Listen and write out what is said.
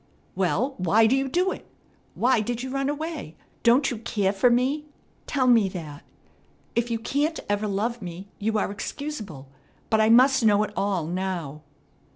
"Well, why do you do it? Why did you run away? Don't you care for me? Tell me that. If you can't ever love me, you are excusable; but I must know it all now."